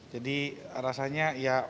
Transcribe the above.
jadi rasanya ya